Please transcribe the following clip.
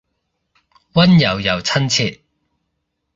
溫柔又親切